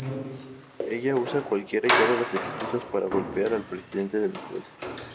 Ella usa cualquiera y todas las excusas para golpear el presidente de la clase.